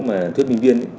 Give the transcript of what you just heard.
mà thuyết minh viên